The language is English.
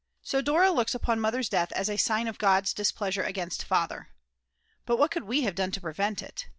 So Dora looks upon Mother's death as a sign of God's displeasure against Father! But what could we have done to prevent it?